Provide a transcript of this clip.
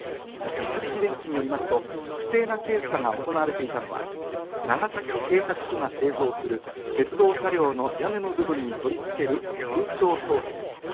三菱電機によりますと不正な検査が行われていたのは、長崎製作所が製造する鉄道車両の屋根の部分に取り付ける空調装置です。